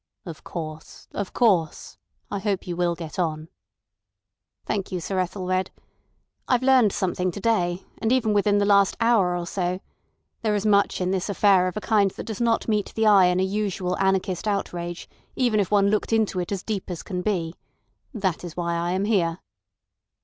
"Of course, of course. I hope you will get on." "Thank you, Sir Ethelred. I've learned something to day, and even within the last hour or so. There is much in this affair of a kind that does not meet the eye in a usual anarchist outrage, even if one looked into it as deep as can be. That's why I am here."